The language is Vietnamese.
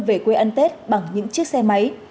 về quê ăn tết bằng những chiếc xe máy